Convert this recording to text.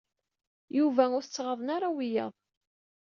Yuba ur tettɣaḍen ara wiyaḍ.